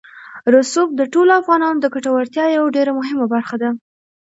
رسوب د ټولو افغانانو د ګټورتیا یوه ډېره مهمه برخه ده.